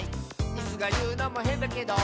「イスがいうのもへんだけど」